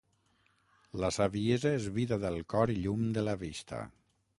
La saviesa és vida del cor i llum de la vista.